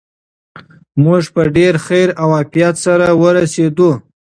موږ په ډېر خیر او عافیت سره ورسېدو.